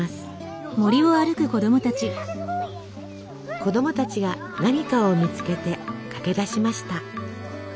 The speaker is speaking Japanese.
子どもたちが何かを見つけて駆けだしました。